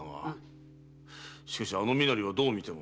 しかしあの身なりはどう見ても。